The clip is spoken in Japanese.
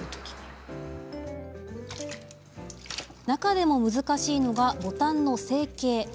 中でも難しいのがボタンの成形。